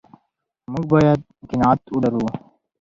موږ باید قناعت ولرو.